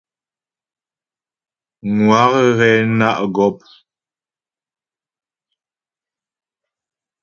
Ŋwa' ghɛ ná' gɔ́p.